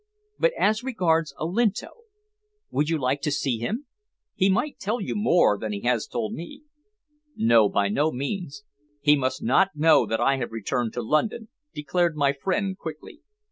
But as regards Olinto? Would you like to see him? He might tell you more than he has told me." "No; by no means. He must not know that I have returned to London," declared my friend quickly.